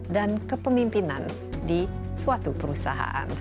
dan kepemimpinan di suatu perusahaan